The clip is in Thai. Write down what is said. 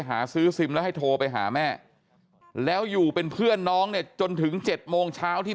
หาซื้อซิมแล้วให้โทรไปหาแม่แล้วอยู่เป็นเพื่อนน้องเนี่ยจนถึง๗โมงเช้าที่